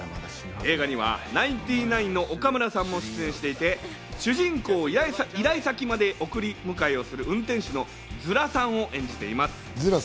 映画にはナインティナインの岡村さんも出演していて、主人公を依頼先まで送り迎えする運転手のヅラさんを演じています。